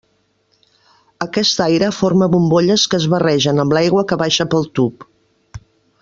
Aquest aire forma bombolles que es barregen amb l'aigua que baixa pel tub.